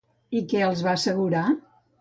I què els va assegurar?